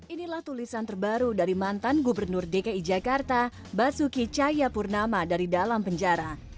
inilah tulisan terbaru dari mantan gubernur dki jakarta basuki cahayapurnama dari dalam penjara